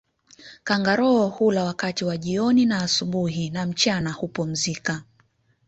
Kangaroo hula wakati wa jioni na asubuhi na mchana hupumzika